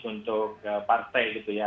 untuk partai gitu ya